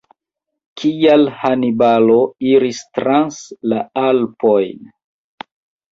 Kial Hanibalo iris trans la Alpojn?